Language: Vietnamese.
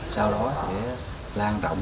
sau đó sẽ lan trọng